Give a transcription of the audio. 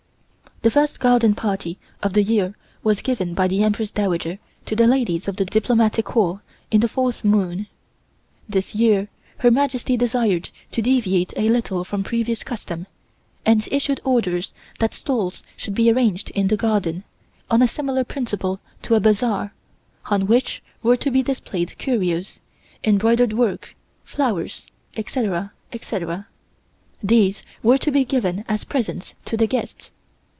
The first garden party of the year was given by the Empress Dowager to the ladies of the Diplomatic Corps, in the fourth moon. This year Her Majesty desired to deviate a little from previous custom, and issued orders that stalls should be arranged in the garden, on a similar principal to a bazaar, on which were to be displayed curios, embroidered work, flowers, etc., etc. These were to be given as presents to the guests.